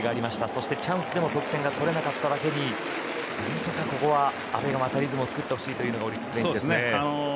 そしてチャンスでも得点が取れなかっただけに何とかここは阿部がリズムを作ってほしいというのがオリックスですね。